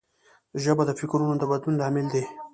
ژبه د فکرونو د بدلون لامل ده